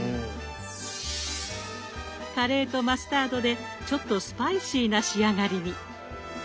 カレーとマスタードでちょっとスパイシーな仕上がりに。